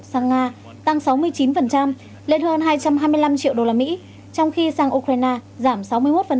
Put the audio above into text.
sang nga tăng sáu mươi chín lên hơn hai trăm hai mươi năm triệu đô la mỹ trong khi sang ukraine giảm sáu mươi một chỉ còn năm triệu đô la mỹ